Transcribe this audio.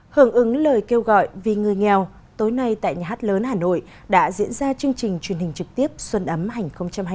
hưởng ứng lời kêu gọi vì người nghèo tối nay tại nhà hát lớn hà nội đã diễn ra chương trình truyền hình trực tiếp xuân ấm hành hai mươi bốn